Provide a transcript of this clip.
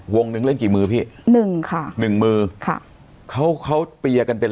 วงหนึ่งเล่นกี่มือพี่หนึ่งค่ะหนึ่งมือค่ะเขาเขาเปียร์กันเป็น